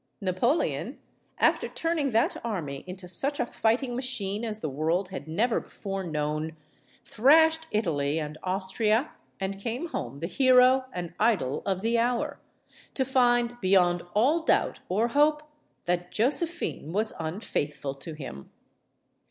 Napoleon, after turning that army into such a fight ing machine as the world had never before known, thrashed Italy and Austria and came home the hero and idol of the hour to find, beyond all doubt or hope, that Josephine was unfaithful to him!